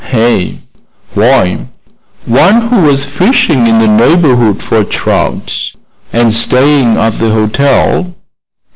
"Eh? Why, one who was fishing in the neighborhood for trout, and staying at the hotel.